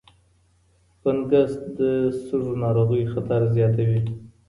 فنګس د سږو ناروغیو خطر زیاتوي.